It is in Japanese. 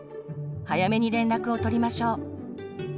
早めに連絡をとりましょう。